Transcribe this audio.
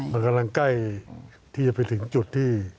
มันกำลังใกล้ที่จะไปถึงจุดที่